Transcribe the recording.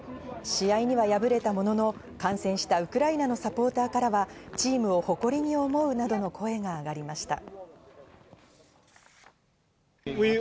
試合には敗れたものの、観戦したウクライナのサポーターからはチームを誇りに思うなどの声が上がりました。